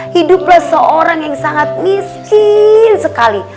hiduplah seorang yang sangat miskin sekali